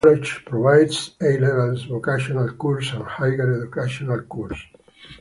The college provides A levels, vocational courses and higher education courses.